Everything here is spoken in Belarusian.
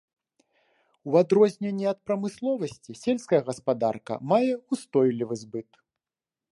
У адрозненні ад прамысловасці, сельская гаспадарка мае ўстойлівы збыт.